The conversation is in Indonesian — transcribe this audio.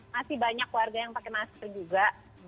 masih banyak warga yang pakai masker juga